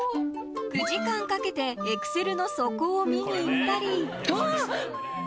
９時間かけてエクセルの底を見にいったり。